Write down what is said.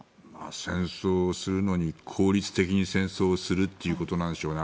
戦争するのに効率的に戦争するってことなんでしょうね。